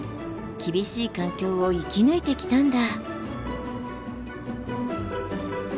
厳しい環境を生き抜いてきたんだ。